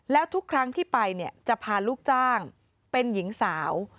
แล้วทุกครั้งที่ไปเนี่ยจะพาลูกจ้างเป็นหญิงสาว